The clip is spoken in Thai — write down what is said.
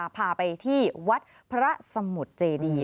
พาไปที่วัดพระสมุทรเจดี